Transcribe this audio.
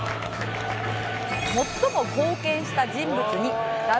最も貢献した人物にラブ！！